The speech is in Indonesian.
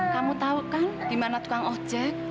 kamu tahu kan di mana tukang ojek